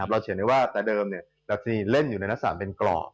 เราเฉียนว่าแต่เดิมดัชนีเล่นอยู่ในหนักศาลเป็นกร่อ